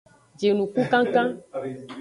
Jinukukankan.